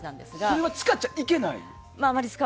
これは使っちゃいけない？